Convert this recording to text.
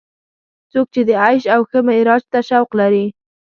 څوک چې د عیش او ښه معراج ته شوق لري.